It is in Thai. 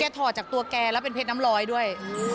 ถอดจากตัวแกแล้วเป็นเพชรน้ำลอยด้วย